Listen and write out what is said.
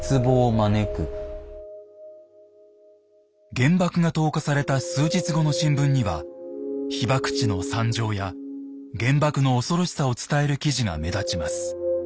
原爆が投下された数日後の新聞には被爆地の惨状や原爆の恐ろしさを伝える記事が目立ちます。